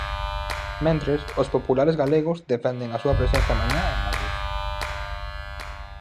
Mentres, os populares galegos defenden a súa presenza mañá en Madrid.